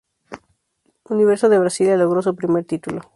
Universo de Brasilia logró su primer título.